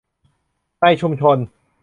ในชุมชน